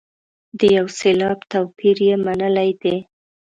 د یو سېلاب توپیر یې منلی دی.